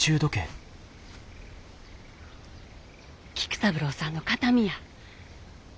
菊三郎さんの形見や。